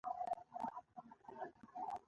پتاسې، ممیز او ګوړه را پیدا شي ژوند به ښه شي.